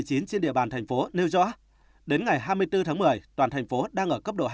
trên địa bàn thành phố nêu rõ đến ngày hai mươi bốn tháng một mươi toàn thành phố đang ở cấp độ hai